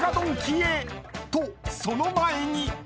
［とその前に］